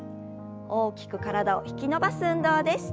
大きく体を引き伸ばす運動です。